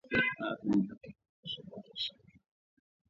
Vifaa vinavyohitajika katika upishi wa viazi lishe